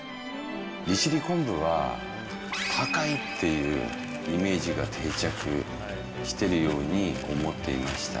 利尻昆布は高いっていうイメージが定着してるように思っていました。